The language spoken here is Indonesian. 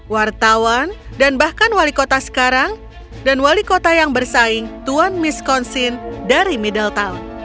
wartawan dan bahkan wali kota sekarang dan wali kota yang bersaing tuan miskonsin dari middletown